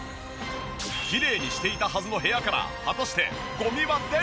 きれいにしていたはずの部屋から果たしてゴミは出るのか？